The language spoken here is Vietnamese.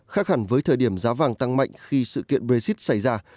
khác hẳn với thời điểm giá vàng tăng mạnh khi sự kiện brexit xảy ra